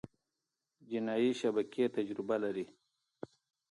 جنایي شبکې تجربه لري.